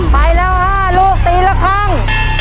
ไปแล้ว๕ลูกตีละครั้ง